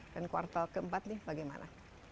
dan kuartal keempat ini bagaimana